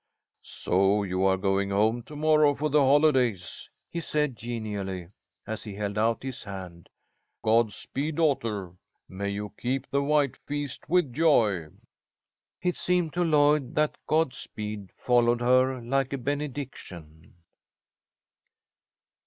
"So you are going home to morrow for the holidays," he said, genially, as he held out his hand. "Godspeed, daughter. May you keep the White Feast with joy." It seemed to Lloyd that that "Godspeed" followed her like a benediction.